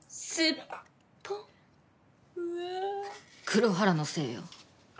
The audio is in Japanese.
黒原のせいよ。